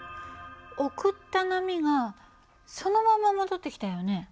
送った波がそのまま戻ってきたよね。